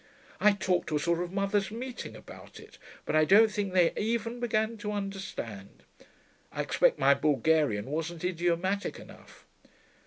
I talked to a sort of mothers' meeting about it, but I don't think they even began to understand. I expect my Bulgarian wasn't idiomatic enough.